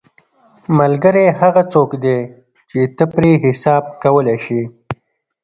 ملګری هغه څوک دی چې ته پرې حساب کولی شې.